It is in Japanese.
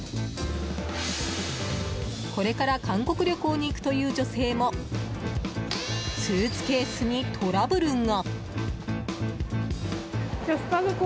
これから韓国旅行に行くという女性もスーツケースにトラブルが。